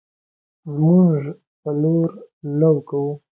زمونږ په لور لو کوو